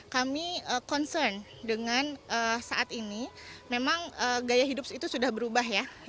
kami concern dengan saat ini memang gaya hidup itu sudah berubah ya